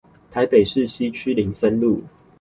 台中市西區林森路